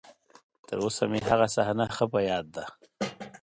تر اوسه مې هغه صحنه ښه په ياد ده.